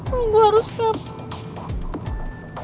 gue harus kabur